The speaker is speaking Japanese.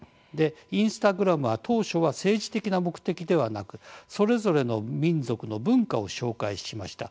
インスタグラムでは当初は政治的な目的ではなくそれぞれの民族の文化を紹介しました。